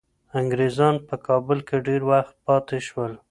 انګریزان په کابل کي ډیر وخت پاتې شول.